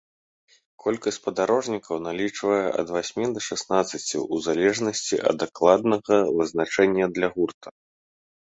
Колькасць спадарожнікаў налічвае ад васьмі да шаснаццаці, у залежнасці ад дакладнага вызначэння для гурта.